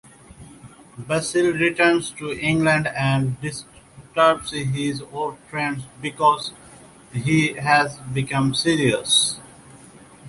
Basil returns to England and disturbs his old friends because he has become serious.